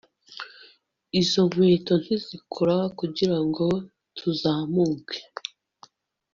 Izo nkweto ntizikora kugirango tuzamuke